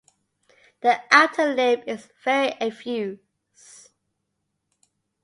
The outer lip is very effuse.